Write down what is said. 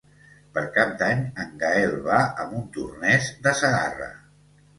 Per Cap d'Any en Gaël va a Montornès de Segarra.